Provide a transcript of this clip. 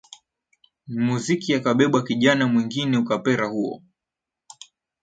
muziki akabeba kijana mwingine ukapera huo